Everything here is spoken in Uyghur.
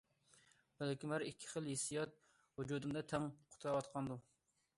بەلكىم ھەر ئىككى خىل ھېسسىيات ۋۇجۇدۇمدا تەڭ قۇتراۋاتقاندۇ.